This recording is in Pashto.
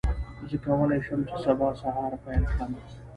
زه کولی شم چې سبا سهار پیل کړم.